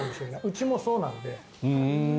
うちもそうなんで。